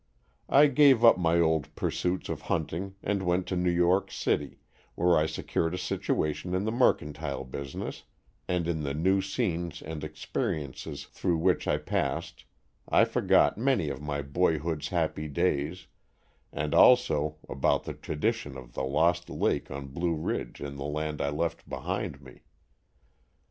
I gave up my old pursuits of hunting and went to New York City, where I secured a situation in the mercantile business and in the new scenes and experiences through which I passed I forgot many of my "boyhood's happy days" and also about the tradition of the lost lake on Blue Ridge in the land I left behind me.